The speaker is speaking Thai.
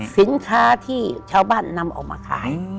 สินค้าที่ชาวบ้านนำออกมาขาย